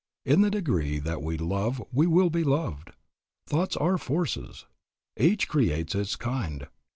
In the degree that we love will we be loved. Thoughts are forces. Each creates of its kind.